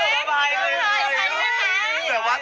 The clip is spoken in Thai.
หลังตากระตุกเลยคิดว่า